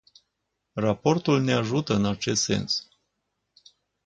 Raportul ne ajută în acest sens.